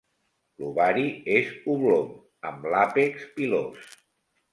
L'ovari és oblong, amb l'àpex pilós.